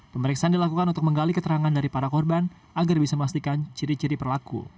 pemeriksaan dilakukan untuk menggali keterangan dari para korban agar bisa memastikan ciri ciri pelaku